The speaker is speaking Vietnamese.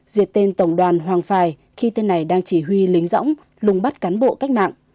diệt tên tổng đoàn hoàng phải khi tên này đang chỉ huy lính dõng lùng bắt cán bộ cách mạng